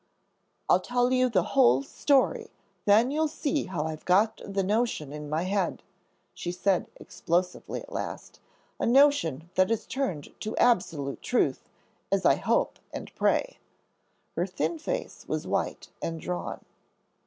"I'll tell you the whole story, then you'll see how I've got the notion in my head," she said explosively at last. "A notion that has turned to absolute truth, as I hope and pray!" Her thin face was white and drawn.